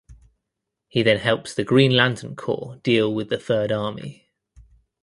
He then helps the Green Lantern Corps deal with the Third Army.